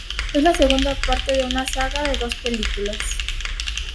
Es la segunda parte de una saga de dos películas.